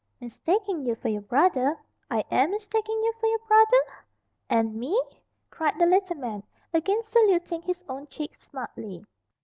"Mistaking you for your brother? I am mistaking you for your brother?" "And me!" cried the little man, again saluting his own cheek smartly.